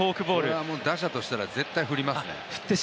これは打者としては絶対振りますね。